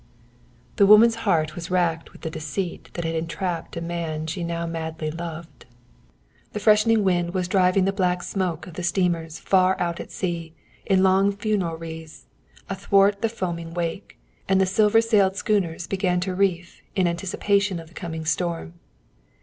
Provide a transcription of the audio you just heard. The woman's heart was racked with the deceit which had entrapped a man she now madly loved. The freshening wind was driving the black smoke of the steamers, far out at sea, in long funereal wreaths, athwart the foaming wake, and the silver sailed schooners began to reef, in anticipation of the coming storm.